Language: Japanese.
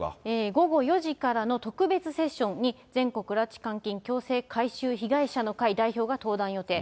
午後４時からの特別セッションに全国拉致監禁強制改宗被害者の会代表が登壇予定。